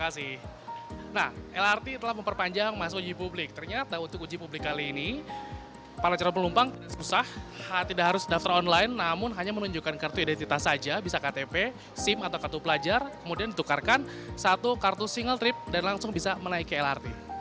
saya bisa menukarkan satu kartu single trip dan langsung bisa menaiki lrt